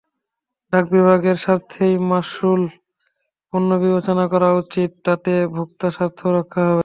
ডাক বিভাগের স্বার্থেই মাশুল পুনর্বিবেচনা করা উচিত, তাতে ভোক্তাস্বার্থও রক্ষা হবে।